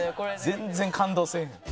全然感動せえへん。